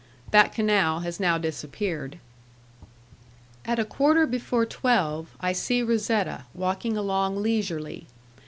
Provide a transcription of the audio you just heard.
That canal has now disappeared. At a quarter before twelve I see Razetta, walking along leisurely.